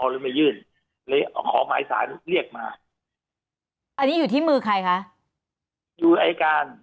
หรือไม่ยื่นเลยขอหมายสารเรียกมาอันนี้อยู่ที่มือใครคะอยู่อายการ